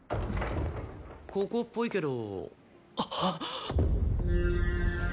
ここっぽいけど。